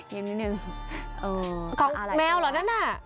ยิ้มนิดนึงเออแมวเหรอนั่นอ่ะ